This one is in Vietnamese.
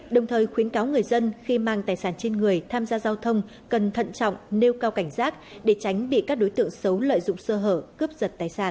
đồng thời khuyến cáo người dân khi mang tài sản trên người tham gia giao thông cần thận trọng nêu cao cảnh giác để tránh bị các đối tượng xấu lợi dụng sơ hở cướp giật tài sản